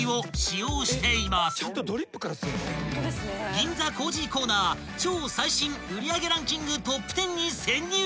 ［銀座コージーコーナー超最新売上ランキングトップ１０に潜入］